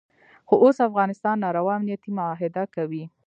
خو اوس افغانستان ناروا امنیتي معاهده کوي.